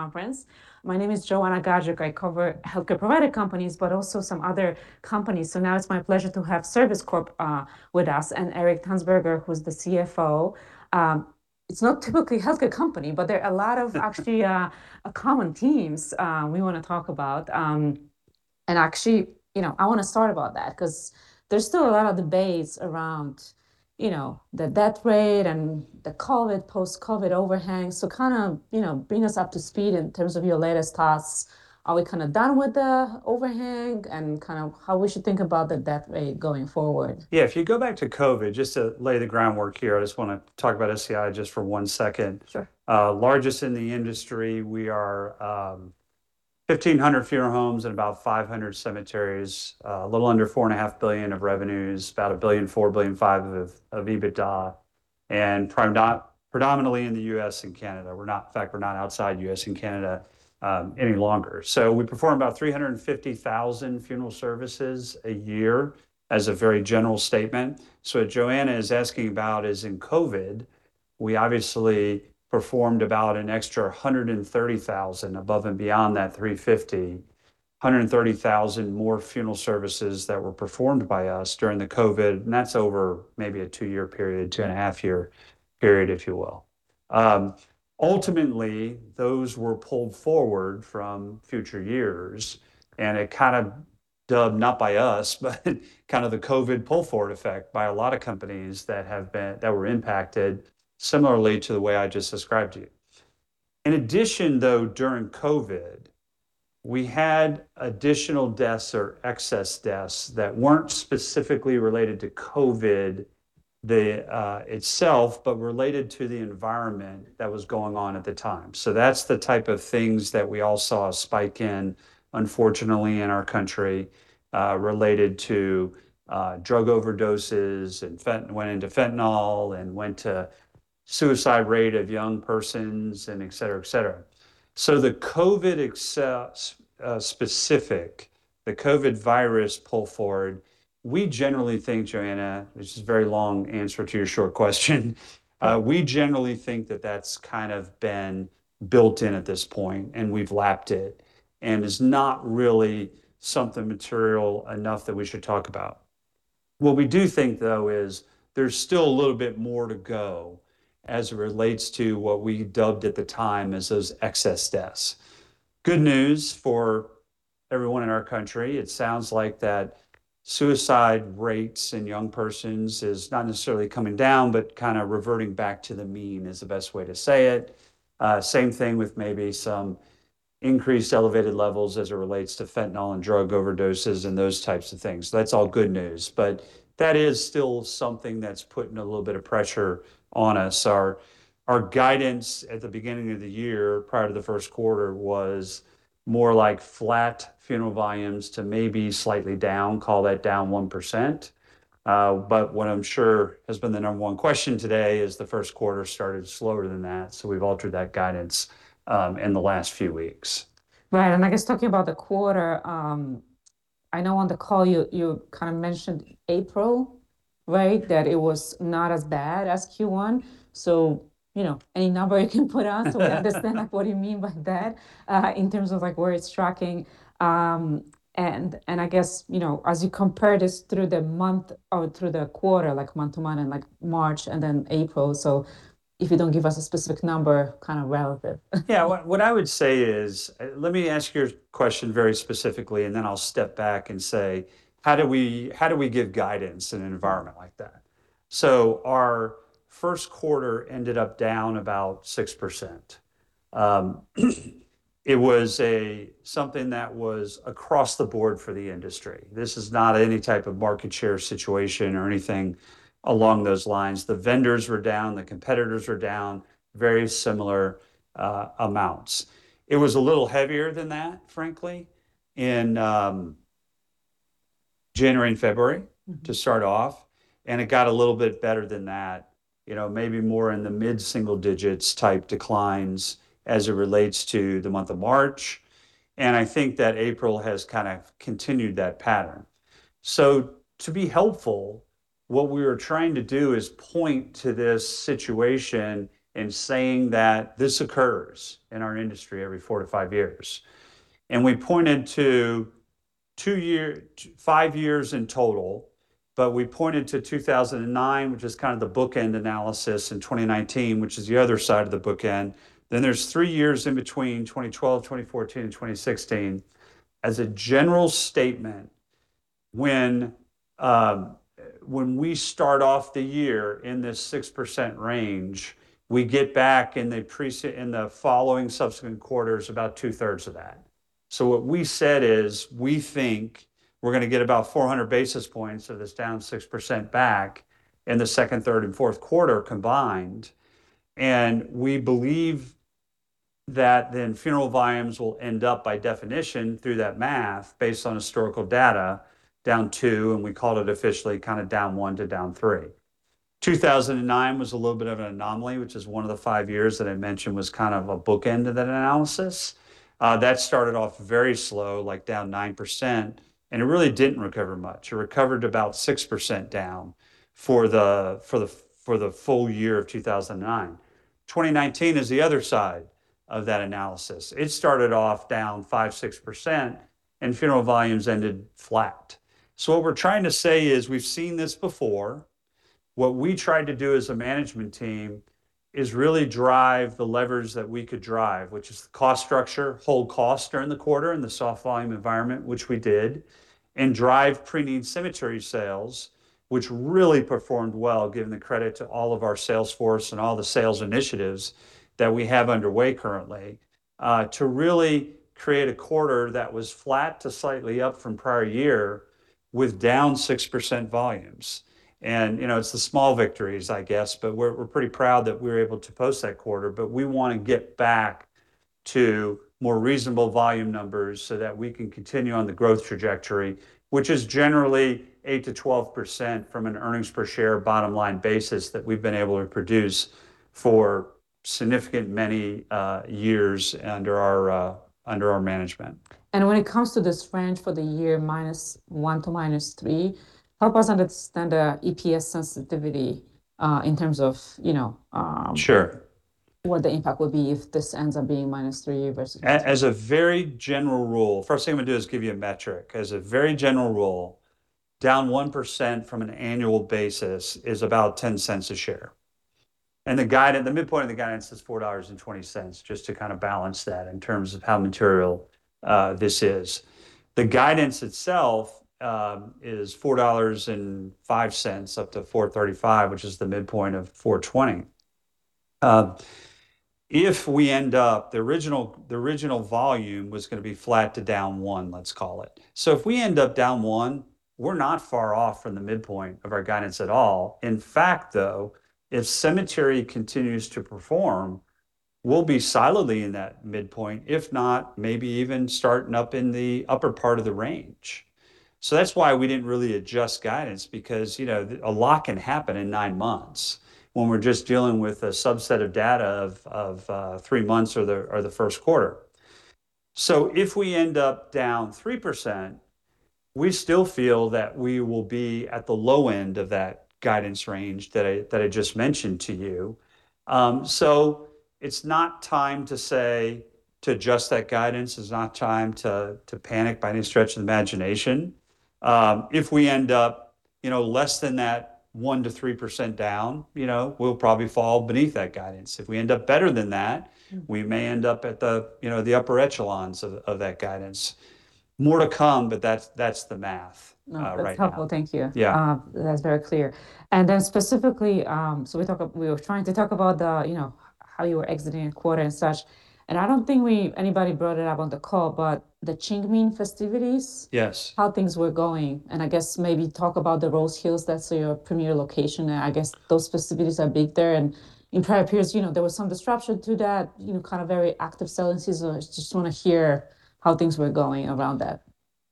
Conference. My name is Joanna Gajuk. I cover healthcare provider companies, but also some other companies. Now it's my pleasure to have Service Corp with us, and Eric Tanzberger, who's the CFO. It's not typically a healthcare company, but there are a lot of actually common themes we want to talk about. Actually, you know, I want to start about that, 'cause there's still a lot of debates around, you know, the death rate and the COVID, post-COVID overhang. Kind of, you know, bring us up to speed in terms of your latest thoughts. Are we kind of done with the overhang, and kind of how we should think about the death rate going forward? Yeah, if you go back to COVID, just to lay the groundwork here, I just want to talk about SCI just for one second. Sure. Largest in the industry. We are 1,500 funeral homes and about 500 cemeteries. A little under $4.5 billion of revenue. It's about $1.4 billion-$1.5 billion of EBITDA. Predominantly in the U.S. and Canada. We're not, in fact, we're not outside U.S. and Canada any longer. We perform about 350,000 funeral services a year, as a very general statement. What Joanna is asking about is in COVID, we obviously performed about an extra 130,000 above and beyond that 350,000. 130,000 more funeral services that were performed by us during the COVID, and that's over maybe a two-year period, 2.5-year period, if you will. Ultimately, those were pulled forward from future years, and it kind of dubbed, not by us, but kind of the COVID pull forward effect by a lot of companies that were impacted similarly to the way I just described to you. In addition, though, during COVID, we had additional deaths or excess deaths that weren't specifically related to COVID itself, but related to the environment that was going on at the time. That's the type of things that we all saw a spike in, unfortunately, in our country, related to drug overdoses and went into fentanyl and went to suicide rate of young persons and et cetera, et cetera. The COVID specific, the COVID virus pull forward, we generally think, Joanna, this is a very long answer to your short question, we generally think that's kind of been built in at this point, and we've lapped it, and is not really something material enough that we should talk about. What we do think, though, is there's still a little bit more to go as it relates to what we dubbed at the time as those excess deaths. Good news for everyone in our country, it sounds like that suicide rates in young persons is not necessarily coming down, but kind of reverting back to the mean, is the best way to say it. Same thing with maybe some increased elevated levels as it relates to fentanyl and drug overdoses and those types of things. That's all good news. That is still something that's putting a little bit of pressure on us. Our guidance at the beginning of the year, prior to the first quarter, was more like flat funeral volumes to maybe slightly down, call that down 1%. What I'm sure has been the number one question today is the first quarter started slower than that, we've altered that guidance in the last few weeks. Right. I guess talking about the quarter, I know on the call you kind of mentioned April, right? That it was not as bad as Q1. You know, any number you can put on so we understand like what you mean by that, in terms of like where it's tracking. I guess, you know, as you compare this through the month or through the quarter, like month to month and like March and then April, if you don't give us a specific number, kind of relative. Yeah. What I would say is, let me ask your question very specifically and then I'll step back and say, how do we give guidance in an environment like that? Our first quarter ended up down about 6%. It was something that was across the board for the industry. This is not any type of market share situation or anything along those lines. The vendors were down, the competitors were down, very similar amounts. It was a little heavier than that, frankly, in January and February. To start off, it got a little bit better than that. You know, maybe more in the mid-single digits type declines as it relates to the month of March, and I think that April has kind of continued that pattern. To be helpful, what we are trying to do is point to this situation and saying that this occurs in our industry every four to five years. We pointed to two year, five years in total, but we pointed to 2009, which is kind of the bookend analysis, and 2019, which is the other side of the bookend, then there's three years in between, 2012, 2014, and 2016. As a general statement, when we start off the year in this 6% range, we get back in the following subsequent quarters about 2/3 of that. What we said is, we think we're going to get about 400 basis points of this down 6% back in the second, third, and fourth quarter combined, and we believe that then funeral volumes will end up, by definition, through that math, based on historical data, down two, and we called it officially kind of down one to down three. 2009 was a little bit of an anomaly, which is one of the five years that I mentioned was kind of a bookend to that analysis. That started off very slow, like down 9%, and it really didn't recover much. It recovered about 6% down for the full year of 2009. 2019 is the other side of that analysis. It started off down 5%, 6%, and funeral volumes ended flat. What we're trying to say is we've seen this before. What we tried to do as a management team is really drive the levers that we could drive, which is the cost structure, hold costs during the quarter in the soft volume environment, which we did, and drive preneed cemetery sales, which really performed well, giving the credit to all of our sales force and all the sales initiatives that we have underway currently, to really create a quarter that was flat to slightly up from prior year with down 6% volumes. You know, it's the small victories, I guess, but we're pretty proud that we were able to post that quarter. We want to get back to more reasonable volume numbers so that we can continue on the growth trajectory, which is generally 8%-12% from an earnings per share bottom line basis that we've been able to produce for significant many years under our management. When it comes to this range for the year, -1% to -3%, help us understand the EPS sensitivity, in terms of, you know. Sure. What the impact would be if this ends up being -3% versus-. As a very general rule, first thing I'm gonna do is give you a metric. As a very general rule, down 1% from an annual basis is about $0.10 a share. The guidance, the midpoint of the guidance is $4.20, just to kind of balance that in terms of how material this is. The guidance itself is $4.05 up to $4.35, which is the midpoint of $4.20. If we end up, the original volume was gonna be flat to down $1, let's call it. If we end up down $1, we're not far off from the midpoint of our guidance at all. In fact, though, if cemetery continues to perform, we'll be solidly in that midpoint, if not, maybe even starting up in the upper part of the range. That's why we didn't really adjust guidance because, you know, a lot can happen in nine months when we're just dealing with a subset of data of three months or the first quarter. If we end up down 3%, we still feel that we will be at the low end of that guidance range that I just mentioned to you. It's not time to say, to adjust that guidance. It's not time to panic by any stretch of the imagination. If we end up, you know, less than that 1%-3% down, you know, we'll probably fall beneath that guidance. If we end up better than that. We may end up at the, you know, the upper echelons of that guidance. More to come, but that's the math right now. No, that's helpful. Thank you. Yeah. That's very clear. Then specifically, we were trying to talk about the, you know, how you were exiting a quarter and such, I don't think we, anybody brought it up on the call, but the Qingming festivities- Yes. How things were going, and I guess maybe talk about the Rose Hills, that's your premier location. I guess those festivities are big there. In prior periods, you know, there was some disruption to that, you know, kind of very active selling season. I just want to hear how things were going around that.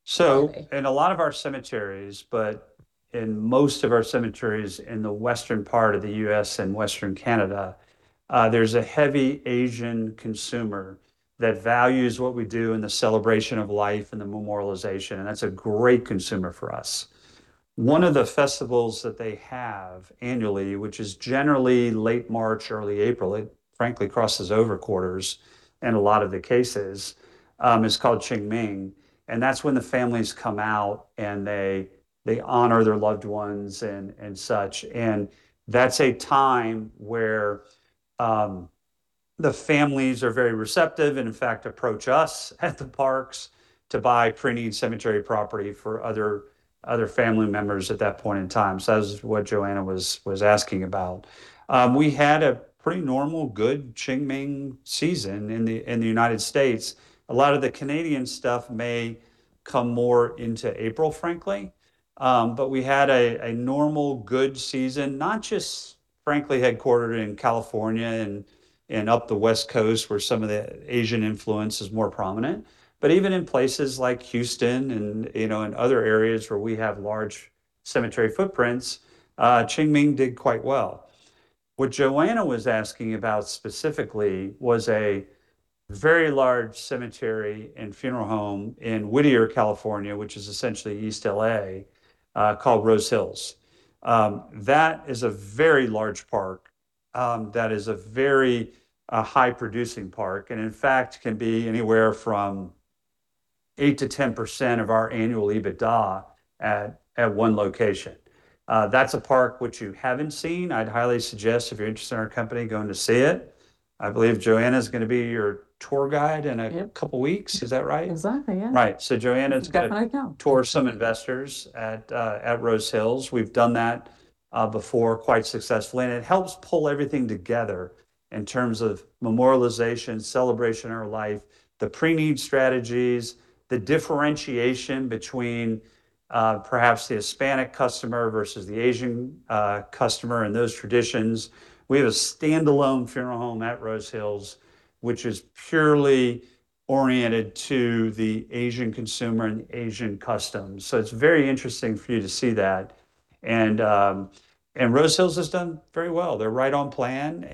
So- Okay. In a lot of our cemeteries, but in most of our cemeteries in the western part of the U.S. and western Canada, there's a heavy Asian consumer that values what we do in the celebration of life and the memorialization, that's a great consumer for us. One of the festivals that they have annually, which is generally late March, early April, it frankly crosses over quarters in a lot of the cases, is called Qingming, that's when the families come out, and they honor their loved ones and such. That's a time where the families are very receptive and, in fact, approach us at the parks to buy pre-need cemetery property for other family members at that point in time. That was what Joanna was asking about. We had a pretty normal, good Qingming season in the U.S. A lot of the Canadian stuff may come more into April, frankly. We had a normal, good season, not just, frankly, headquartered in California and up the West Coast where some of the Asian influence is more prominent, even in places like Houston and, you know, in other areas where we have large cemetery footprints, Qingming did quite well. What Joanna was asking about specifically was a very large cemetery and funeral home in Whittier, California, which is essentially East L.A., called Rose Hills. That is a very large park, that is a very high-producing park, and in fact, can be anywhere from 8%-10% of our annual EBITDA at one location. That's a park which you haven't seen. I'd highly suggest if you're interested in our company, going to see it. I believe Joanna's gonna be your tour guide. Yep. Couple weeks. Is that right? Exactly, yeah. Right. Got it on lock down. Tour some investors at Rose Hills. We've done that before quite successfully. It helps pull everything together in terms of memorialization, celebration of life, the preneed strategies, the differentiation between perhaps the Hispanic customer versus the Asian customer and those traditions. We have a standalone funeral home at Rose Hills, which is purely oriented to the Asian consumer and Asian customs. It's very interesting for you to see that. Rose Hills has done very well. They're right on plan.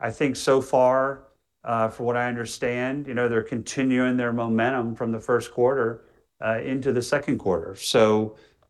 I think so far, from what I understand, you know, they're continuing their momentum from the first quarter into the second quarter.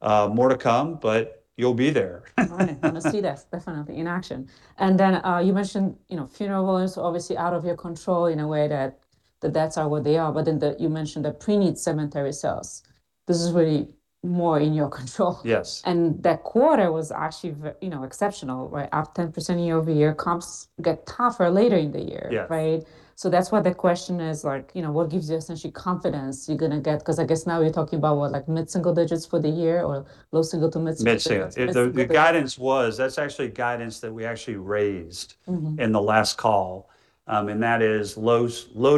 More to come, but you'll be there. Right. I'm gonna see that, definitely, in action. You mentioned, you know, funeral volumes are obviously out of your control in a way that that's where they are. You mentioned the preneed cemetery sales. This is really more in your control. Yes. That quarter was actually you know, exceptional, right? Up 10% year-over-year, comps get tougher later in the year. Yeah. Right? That's why the question is, like, you know, what gives you essentially confidence you're gonna get 'Cause I guess now you're talking about, what, like, mid-single digits for the year, or low single to mid single-? Mid single. To mid single. The guidance was, that's actually guidance that we actually raised in the last call. That is low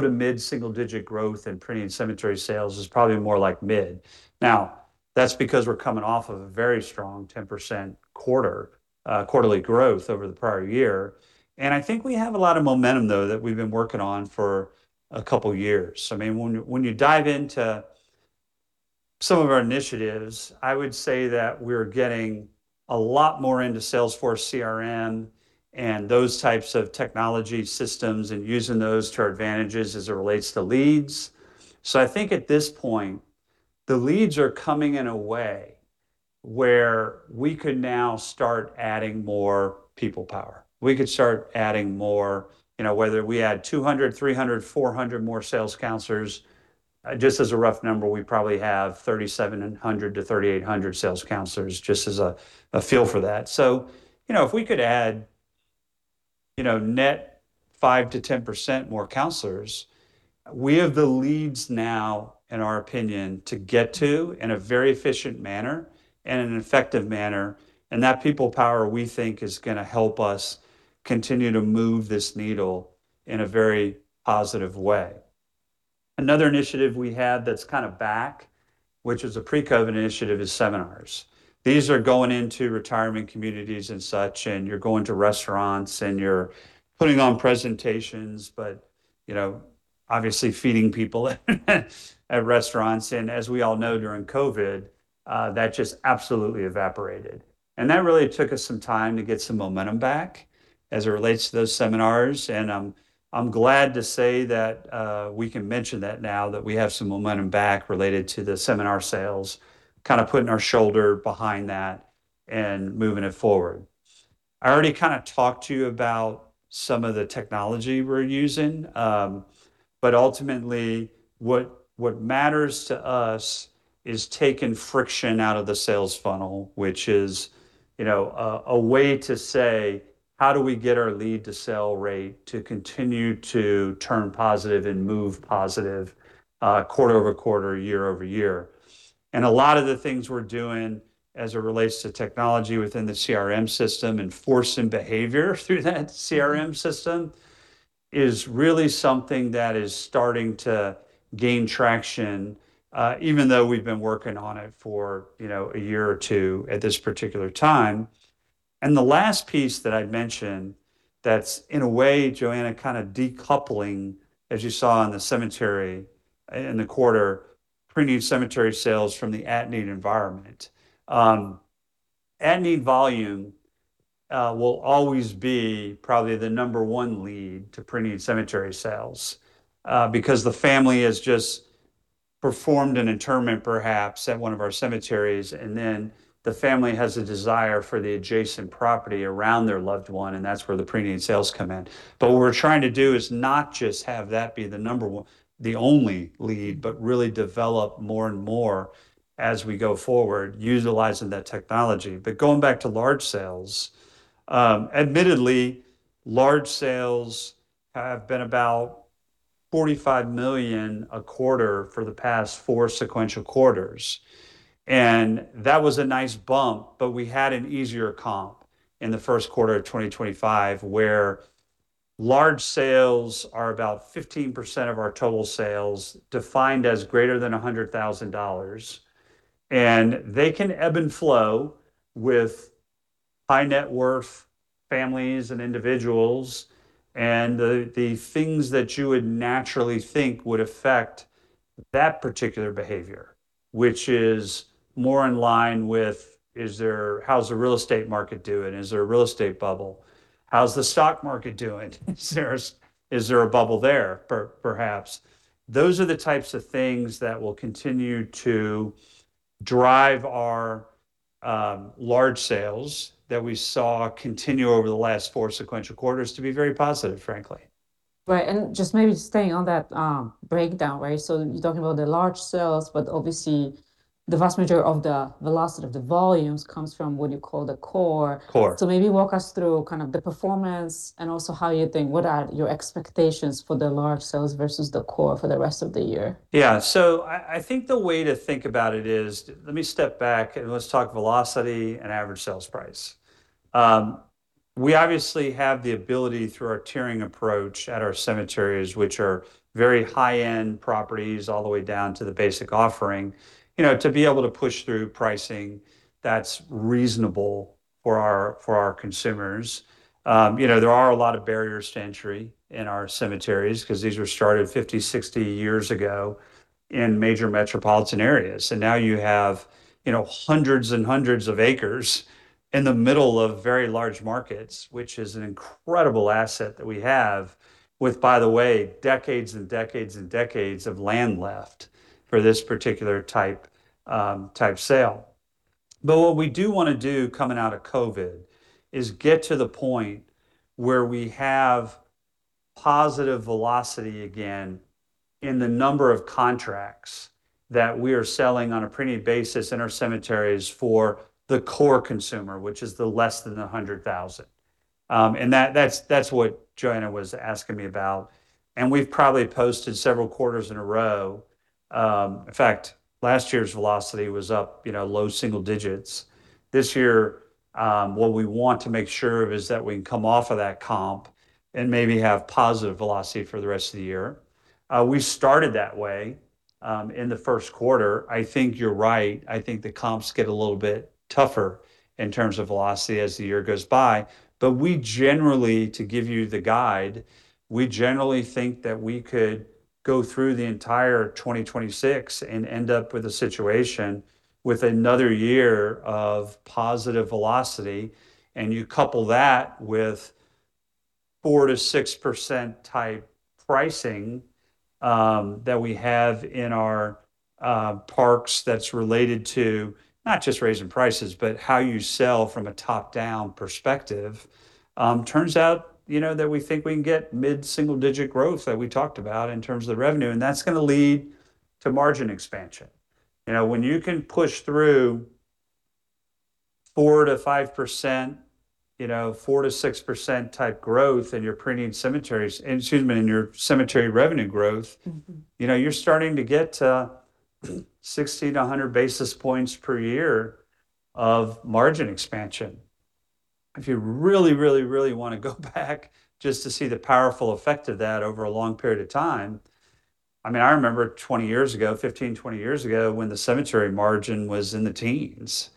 to mid single-digit growth in preneed cemetery sales is probably more like mid. Now, that's because we're coming off of a very strong 10% quarter, quarterly growth over the prior year. I think we have a lot of momentum, though, that we've been working on for a couple years. I mean, when you dive into some of our initiatives, I would say that we're getting a lot more into Salesforce CRM and those types of technology systems, and using those to our advantages as it relates to leads. I think at this point, the leads are coming in a way where we could now start adding more people power. We could start adding more, you know, whether we add 200, 300, 400 more sales counselors. Just as a rough number, we probably have 3,700-3,800 sales counselors, just as a feel for that. You know, if we could add, you know, net 5%-10% more counselors, we have the leads now, in our opinion, to get to in a very efficient manner and an effective manner, and that people power, we think, is gonna help us continue to move this needle in a very positive way. Another initiative we had that's kind of back, which is a pre-COVID initiative, is seminars. These are going into retirement communities and such, you're going to restaurants and you're putting on presentations, but, you know, obviously feeding people at restaurants. As we all know, during COVID, that just absolutely evaporated. That really took us some time to get some momentum back as it relates to those seminars. I'm glad to say that we can mention that now, that we have some momentum back related to the seminar sales, kind of putting our shoulder behind that and moving it forward. I already kind of talked to you about some of the technology we're using. But ultimately, what matters to us is taking friction out of the sales funnel, which is, you know, a way to say, how do we get our lead-to-sell rate to continue to turn positive and move positive, quarter-over-quarter, year-over-year? A lot of the things we're doing as it relates to technology within the CRM system, and forcing behavior through that CRM system, is really something that is starting to gain traction, even though we've been working on it for, you know, a year or two at this particular time. The last piece that I'd mention that's, in a way, Joanna, kind of decoupling, as you saw in the cemetery in the quarter, preneed cemetery sales from the at-need environment. At-need volume will always be probably the number one lead to preneed cemetery sales because the family has just performed an interment, perhaps, at one of our cemeteries, and then the family has a desire for the adjacent property around their loved one, and that's where the preneed cemetery sales come in. What we're trying to do is not just have that be the number one, the only lead, but really develop more and more as we go forward, utilizing that technology. Going back to large sales, admittedly, large sales have been about $45 million a quarter for the past four sequential quarters, and that was a nice bump. We had an easier comp in the first quarter of 2025, where large sales are about 15% of our total sales, defined as greater than $100,000. They can ebb and flow with high net worth families and individuals, and the things that you would naturally think would affect that particular behavior, which is more in line with, how's the real estate market doing? Is there a real estate bubble? How's the stock market doing? Is there a bubble there perhaps? Those are the types of things that will continue to drive our large sales that we saw continue over the last four sequential quarters to be very positive, frankly. Just maybe staying on that breakdown? You're talking about the large sales, but obviously the vast majority of the velocity of the volumes comes from what you call the core. Core. Maybe walk us through kind of the performance and also how you think, what are your expectations for the large sales versus the core for the rest of the year? I think the way to think about it is, let me step back and let's talk velocity and average sales price. We obviously have the ability through our tiering approach at our cemeteries, which are very high-end properties all the way down to the basic offering, you know, to be able to push through pricing that's reasonable for our consumers. You know, there are a lot of barriers to entry in our cemeteries, 'cause these were started 50 years, 60 years ago in major metropolitan areas. Now you have, you know, hundreds and hundreds of acres in the middle of very large markets, which is an incredible asset that we have with, by the way, decades and decades and decades of land left for this particular type sale. What we do want to do coming out of COVID is get to the point where we have positive velocity again in the number of contracts that we are selling on a preneed basis in our cemeteries for the core consumer, which is the less than 100,000. That's what Joanna was asking me about, we've probably posted several quarters in a row. In fact, last year's velocity was up, you know, low single digits. This year, what we want to make sure of is that we can come off of that comp maybe have positive velocity for the rest of the year. We started that way in the first quarter. I think you're right. I think the comps get a little bit tougher in terms of velocity as the year goes by. We generally, to give you the guide, we generally think that we could go through the entire 2026 and end up with a situation with another year of positive velocity. You couple that with 4%-6%-type pricing that we have in our parks that's related to not just raising prices, but how you sell from a top-down perspective. Turns out, you know, that we think we can get mid-single-digit growth that we talked about in terms of the revenue, that's gonna lead to margin expansion. You know, when you can push through 4%-5%, you know, 4%-6%-type growth in your preneed cemeteries, excuse me, in your cemetery revenue growth. you know, you're starting to get to 60 basis points-100 basis points per year of margin expansion. If you really, really, really wanna go back just to see the powerful effect of that over a long period of time, I mean, I remember 20 years ago, 15, 20 years ago, when the cemetery margin was in the teens,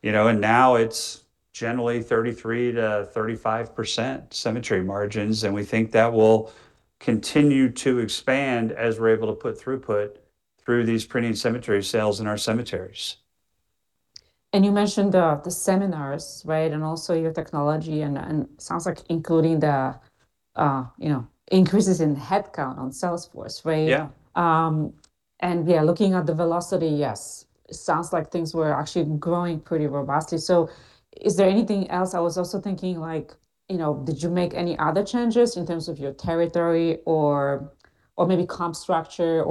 you know. Now it's generally 33%-35% cemetery margins, and we think that will continue to expand as we're able to put throughput through these preneed cemetery sales in our cemeteries. You mentioned, the seminars, right, and also your technology and sounds like including the, you know, increases in headcount on Salesforce, right? Yeah. Yeah, looking at the velocity, yes. Sounds like things were actually growing pretty robustly. Is there anything else? I was also thinking, like, you know, did you make any other changes in terms of your territory or maybe comp structure?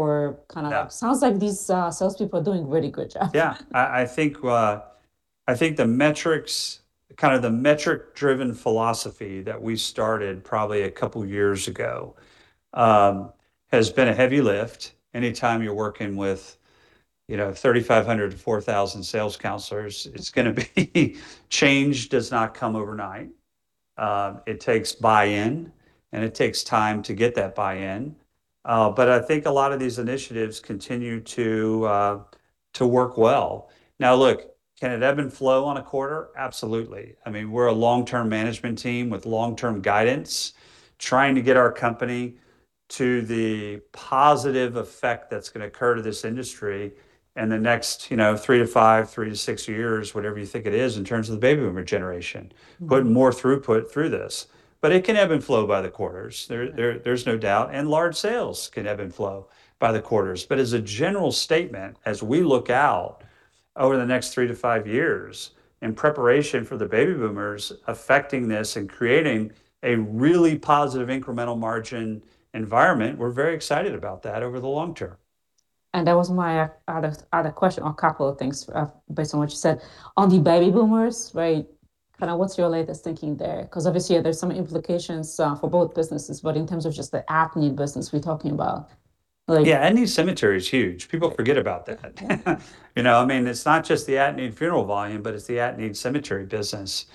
Yeah. Sounds like these salespeople are doing really good job. Yeah. I think the metrics, kind of the metric-driven philosophy that we started probably a couple years ago, has been a heavy lift. Anytime you're working with, you know, 3,500-4,000 sales counselors, Change does not come overnight. It takes buy-in, and it takes time to get that buy-in. I think a lot of these initiatives continue to work well. Now, look, can it ebb and flow on a quarter? Absolutely. I mean, we're a long-term management team with long-term guidance trying to get our company to the positive effect that's gonna occur to this industry in the next, you know, three to five, three to six years, whatever you think it is, in terms of the baby boomer generation. Put more throughput through this. It can ebb and flow by the quarters. There's no doubt. Large sales can ebb and flow by the quarters. As a general statement, as we look out over the next three to five years in preparation for the baby boomers affecting this and creating a really positive incremental margin environment, we're very excited about that over the long term. That was my other question, or a couple of things, based on what you said. On the baby boomers, right, kind of what's your latest thinking there? Because obviously there's some implications for both businesses, but in terms of just the at-need business we're talking about. Yeah, at-need cemetery is huge. People forget about that. Yeah. You know, I mean, it's not just the at-need funeral volume, but it's the at-need cemetery business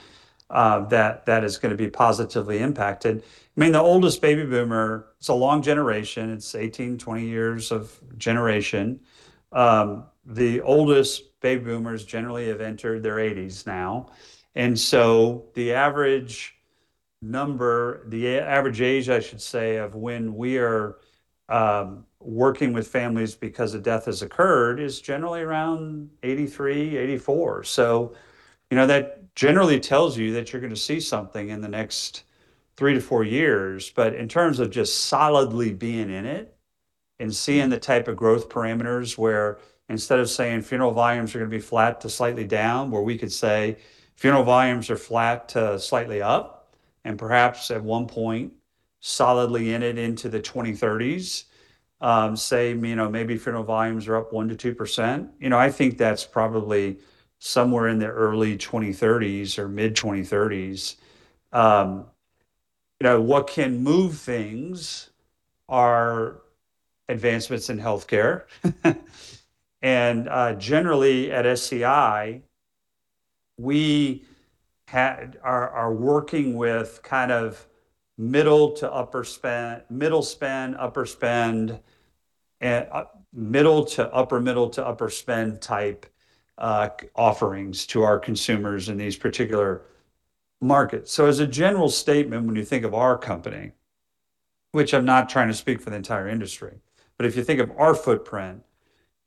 that is gonna be positively impacted. I mean, the oldest baby boomer, it's a long generation. It's 18, 20 years of generation. The oldest baby boomers generally have entered their 80s now. The average number, the average age, I should say, of when we are working with families because a death has occurred is generally around 83 years, 84 years. You know, that generally tells you that you're gonna see something in the next three to four years. In terms of just solidly being in it and seeing the type of growth parameters where instead of saying funeral volumes are gonna be flat to slightly down, where we could say funeral volumes are flat to slightly up, and perhaps at one point solidly in it into the 2030s, say, you know, maybe funeral volumes are up 1%-2%, you know, I think that's probably somewhere in the early 2030s or mid-2030s. You know, what can move things are advancements in healthcare. Generally at SCI, we are working with kind of middle to upper spend, middle spend, upper spend middle to upper spend type offerings to our consumers in these particular markets. As a general statement, when you think of our company, which I'm not trying to speak for the entire industry, but if you think of our footprint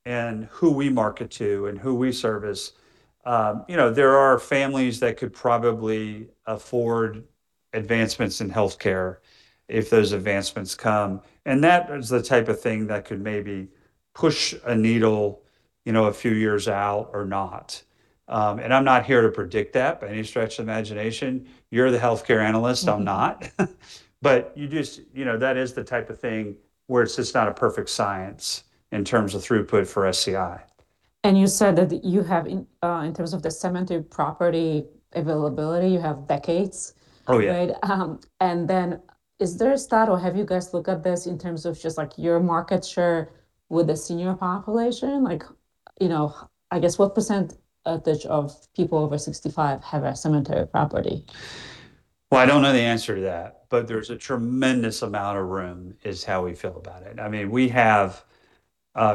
and who we market to and who we service, you know, there are families that could probably afford advancements in healthcare if those advancements come, and that is the type of thing that could maybe push a needle, you know, a few years out or not. I'm not here to predict that by any stretch of the imagination. You're the healthcare analyst. I'm not. You just, you know, that is the type of thing where it's just not a perfect science in terms of throughput for SCI. You said that you have in terms of the cemetery property availability, you have decades. Oh, yeah. Right? Then is there a stat or have you guys looked at this in terms of just, like, your market share with the senior population? Like, you know, I guess what percentage of people over 65 years have a cemetery property? I don't know the answer to that, but there's a tremendous amount of room, is how we feel about it. I mean, we have,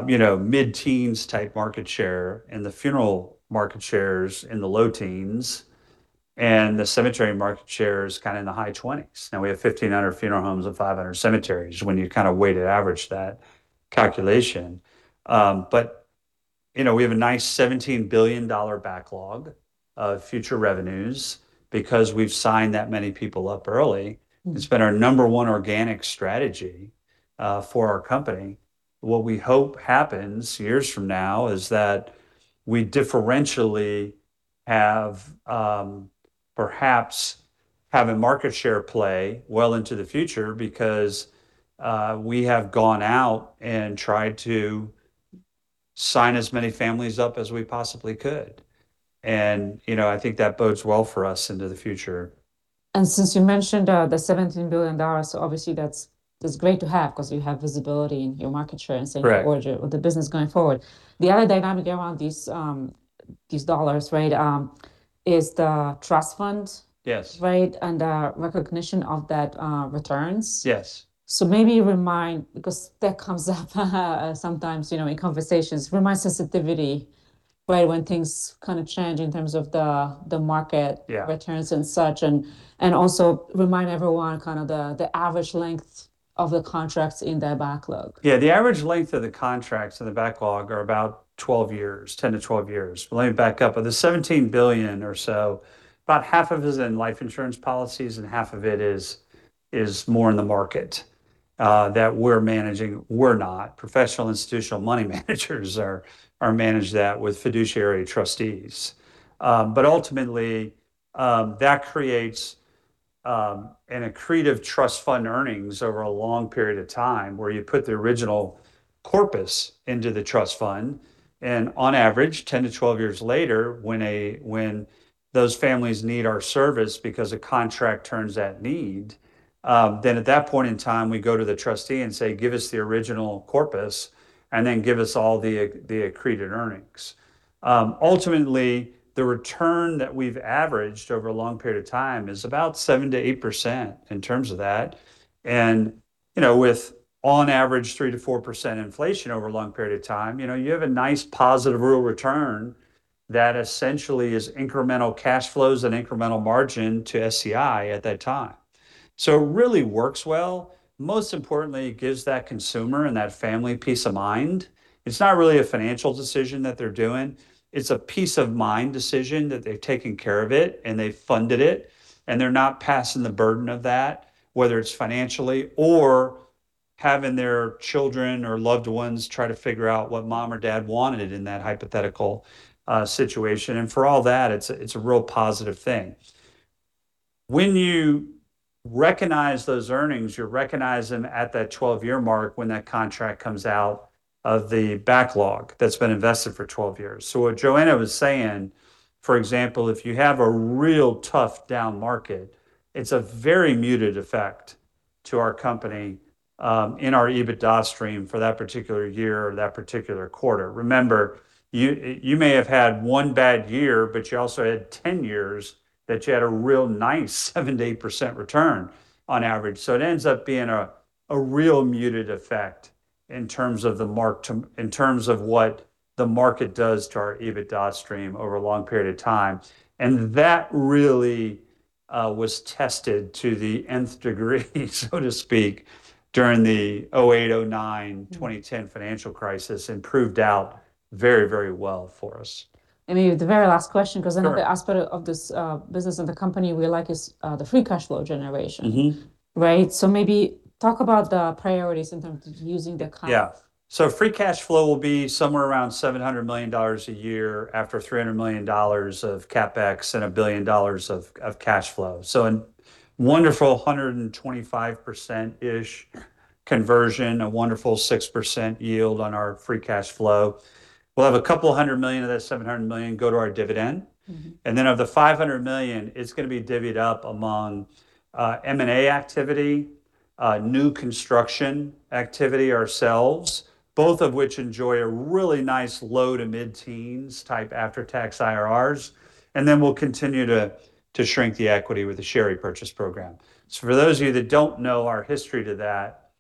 you know, mid-teens type market share, and the funeral market share is in the low teenss, and the cemetery market share is kind of in the high 20s. We have 1,500 funeral homes and 500 cemeteries, when you kind of weighted average that calculation. You know, we have a nice $17 billion backlog of future revenues because we've signed that many people up early. It's been our number one organic strategy for our company. What we hope happens years from now is that we differentially have, perhaps have a market share play well into the future because we have gone out and tried to sign as many families up as we possibly could. You know, I think that bodes well for us into the future. Since you mentioned the $17 billion, obviously that's great to have, 'cause you have visibility in your market share and say. Correct. Forward, with the business going forward. The other dynamic around these dollars, right, is the trust fund. Yes. Right? Recognition of that returns. Yes. Maybe remind, because that comes up sometimes, you know, in conversations, remind sensitivity, right, when things kind of change in terms of the market. Yeah. returns and such, and also remind everyone kind of the average length of the contracts in that backlog. Yeah, the average length of the contracts in the backlog are about 12 years, 10 years-12 years. Let me back up. Of the $17 billion or so, about half of it is in life insurance policies and half of it is more in the market that we're managing. We're not. Professional institutional money managers are managed that with fiduciary trustees. But ultimately, that creates an accretive trust fund earnings over a long period of time where you put the original corpus into the trust fund, and on average, 10 years-12 years later when those families need our service because a contract turns at need, then at that point in time we go to the trustee and say, "Give us the original corpus, and then give us all the accreted earnings." Ultimately, the return that we've averaged over a long period of time is about 7%-8% in terms of that. You know, with on average 3%-4% inflation over a long period of time, you know, you have a nice positive real return that essentially is incremental cash flows and incremental margin to SCI at that time. Really works well. Most importantly, it gives that consumer and that family peace of mind. It's not really a financial decision that they're doing, it's a peace of mind decision that they've taken care of it and they've funded it, and they're not passing the burden of that, whether it's financially or having their children or loved ones try to figure out what mom or dad wanted in that hypothetical situation. For all that, it's a real positive thing. When you recognize those earnings, you recognize them at that 12-year mark when that contract comes out of the backlog that's been invested for 12 years. What Joanna was saying, for example, if you have a real tough down market, it's a very muted effect to our company in our EBITDA stream for that particular year or that particular quarter. Remember, you may have had one bad year, but you also had 10 years that you had a real nice 7%-8% return on average. It ends up being a real muted effect in terms of what the market does to our EBITDA stream over a long period of time, and that really was tested to the nth degree, so to speak, during the 2008, 2009. 2010 financial crisis, and proved out very, very well for us. You, the very last question. Sure. Because I know the aspect of this business and the company we like is the free cash flow generation. Right? Maybe talk about the priorities in terms of using the cash. Yeah. Free cash flow will be somewhere around $700 million a year after $300 million of CapEx and $1 billion of cash flow. A wonderful 125%-ish conversion, a wonderful 6% yield on our free cash flow. We'll have a couple million of that $700 million go to our dividend. Of the $500 million, it's gonna be divvied up among M&A activity, new construction activity ourselves, both of which enjoy a really nice low to mid-teens type after tax IRRs. We'll continue to shrink the equity with a share repurchase program. For those of you that don't know our history to that,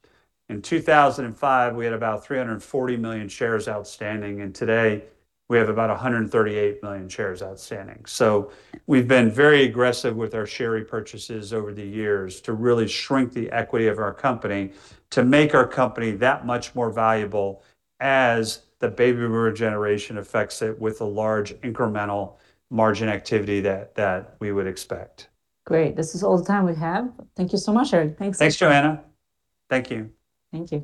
in 2005 we had about 340 million shares outstanding, and today we have about 138 million shares outstanding. We've been very aggressive with our share repurchases over the years to really shrink the equity of our company to make our company that much more valuable as the baby boomer generation affects it with a large incremental margin activity that we would expect. Great. This is all the time we have. Thank you so much, Eric. Thanks. Thanks, Joanna. Thank you. Thank you.